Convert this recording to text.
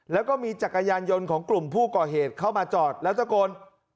แล้วก็มีจักรยานยนต์ของกลุ่มผู้ก่อเหตุเข้ามาจอดแล้วตะโกน